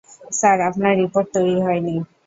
Sir, আপনার report তৈরি হয়নি।